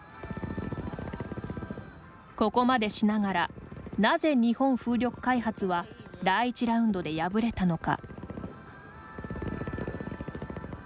ここまでしながらなぜ、日本風力開発は第１ラウンドで敗れたのか。